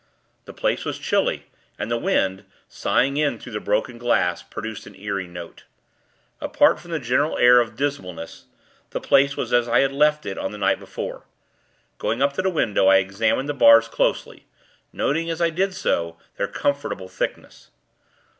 The place was chilly, and the wind, soughing in through the broken glass, produced an eerie note. Apart from the general air of dismalness, the place was as I had left it the night before. Going up to the window, I examined the bars, closely; noting, as I did so, their comfortable thickness.